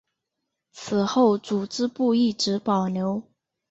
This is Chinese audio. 此后组织部一直保留。